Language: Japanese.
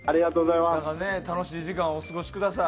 楽しい時間をお過ごしください。